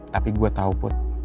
tapi gue tau put